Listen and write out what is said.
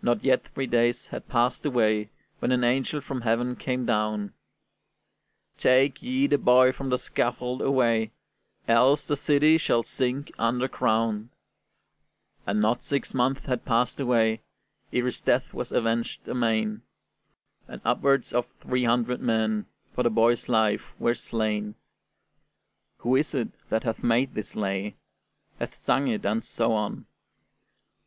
Not yet three days had passed away, When an angel from heaven came down: "Take ye the boy from the scaffold away; Else the city shall sink under ground!" And not six months had passed away, Ere his death was avenged amain; And upwards of three hundred men For the boy's life were slain. Who is it that hath made this lay, Hath sung it, and so on?